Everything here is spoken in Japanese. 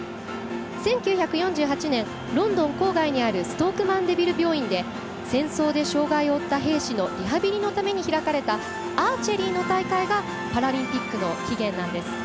１９４８年、ロンドン郊外にあるストーク・マンデビル病院で戦争で障がいを負った兵士のリハビリのために開かれたアーチェリーの大会がパラリンピックの起源なんです。